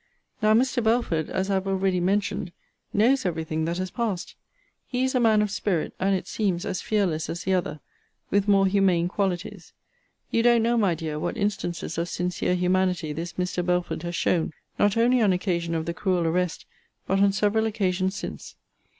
Now Mr. Belford, as I have already mentioned, knows every thing that has passed. He is a man of spirit, and, it seems, as fearless as the other, with more humane qualities. You don't know, my dear, what instances of sincere humanity this Mr. Belford has shown, not only on occasion of the cruel arrest, but on several occasions since.